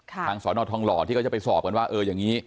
ค่ะทางสคที่ก็จะไปสอบกันว่าเอออย่างงี้